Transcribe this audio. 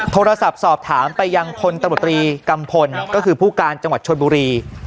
โทรศัพท์สอบถามไปยังพลตมตรีกัมพลก็คือผู้การจังหวัดชนบุรี